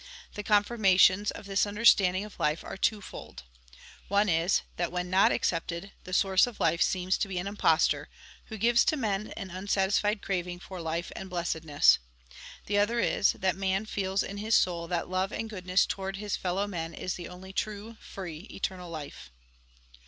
The confirmations of this understanding of life are two fold. One is, that when not accepted, the source of life seems to be an impostor, who gives to men an unsatisfied craving for life and blessedness. The other is, that man feels in his soul that love and goodness towards his fellow men is the only true, free, eternal life.